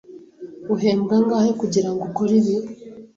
Uhembwa angahe kugirango ukore ibi?